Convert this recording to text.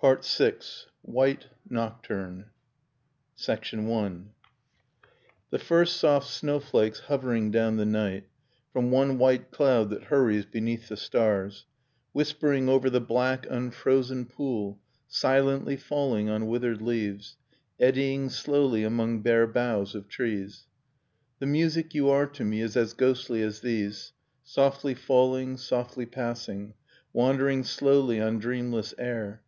1 WHITE NOCTURNE I. The first soft snowflakes hovering down the night, From one white cloud that hurries beneath the stars, — Whispering over the black unfrozen pool, Silently falling on withered leaves, Eddying slowly among bare boughs of trees, — The music you are to me is as ghostly as these, Softly falling, softly passing, Wandering slowly on dreamless air